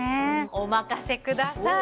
お任せください！